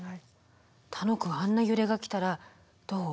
楽くんあんな揺れが来たらどう？